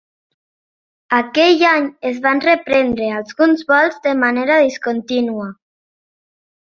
Aquell any, es van reprendre alguns vols de manera discontínua.